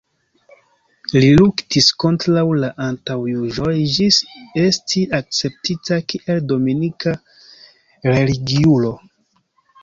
Li luktis kontraŭ la antaŭjuĝoj ĝis esti akceptita kiel dominika religiulo.